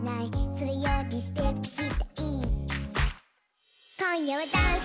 「それよりステップしたい」「ダンス！